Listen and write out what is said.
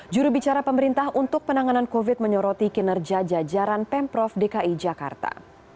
jurubicara pemerintah untuk penanganan covid menyoroti kinerja jajaran pemprov dki jakarta